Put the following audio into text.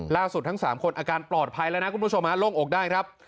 ทั้ง๓คนอาการปลอดภัยแล้วนะคุณผู้ชมฮะโล่งอกได้ครับ